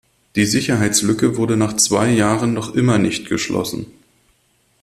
Die Sicherheitslücke wurde nach zwei Jahren noch immer nicht geschlossen.